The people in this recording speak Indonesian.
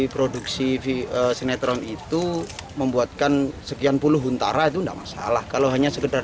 produksi sinetron itu membuatkan sekian puluh huntara itu enggak masalah kalau hanya sekedar